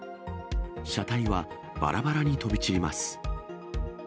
車体はばらばらに飛び散ります。